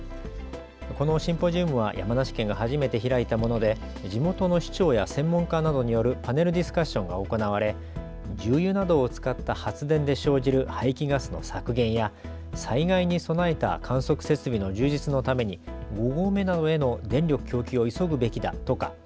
このシンポジウムは山梨県が初めて開いたもので地元の市長や専門家などによるパネルディスカッションが行われ重油などを使った発電で生じる排気ガスの削減や災害に備えた観測設備の充実のために５合目などへの電力供給を急ぐべきだとか